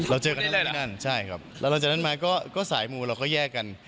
อันนี้เหรออันนี้เหรอใช่ครับแล้วเราจากนั้นมาก็สายมูลเราก็แยกกัน